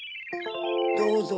どうぞ。